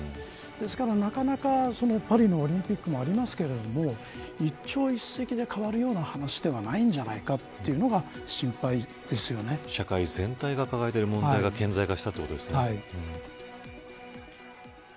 ですから、なかなかパリのオリンピックもありますけれども一朝一夕で変わるような話ではないんじゃないかというのが社会全体が抱えている問題が顕在化したということですね。